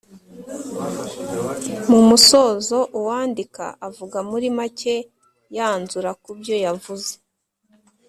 Mu musozo uwandika avuga muri make yanzura ku byo yavuze